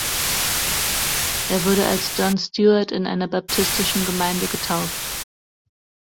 Er wurde als "John Stuart" in einer baptistischen Gemeinde getauft.